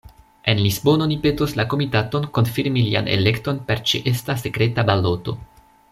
En Lisbono ni petos la Komitaton konfirmi lian elekton per ĉeesta sekreta baloto.